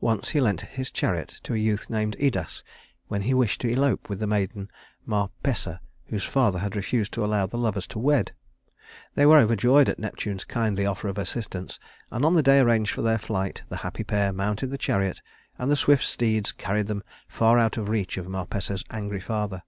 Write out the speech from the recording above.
Once he lent his chariot to a youth named Idas when he wished to elope with the maiden Marpessa, whose father had refused to allow the lovers to wed. They were overjoyed at Neptune's kindly offer of assistance; and on the day arranged for their flight, the happy pair mounted the chariot, and the swift steeds carried them far out of reach of Marpessa's angry father.